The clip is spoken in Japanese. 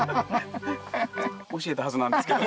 教えたはずなんですけど。